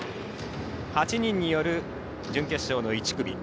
８人による準決勝の１組。